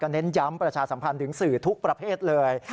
เน้นย้ำประชาสัมพันธ์ถึงสื่อทุกประเภทเลย